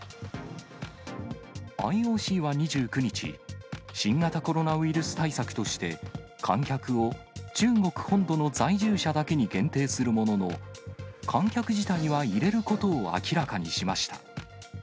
ＩＯＣは２９日、新型コロナウイルス対策として、観客を中国本土の在住者だけに限定するものの、観客自体は入れることを明らかにしました。